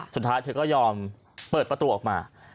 สุดท้ายเธอก็ยอมเปิดประตูออกมา